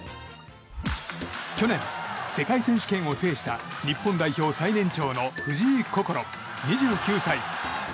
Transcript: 去年、世界選手権を制した日本代表最年長の藤井快、２９歳。